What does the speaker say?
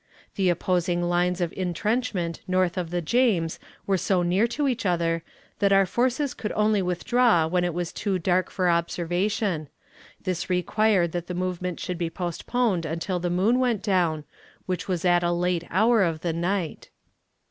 The opposing lines of intrenchment north of the James were so near to each other, that our forces could only withdraw when it was too dark for observation; this required that the movement should be postponed until the moon went down, which was at a late hour of the night.